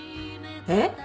えっ？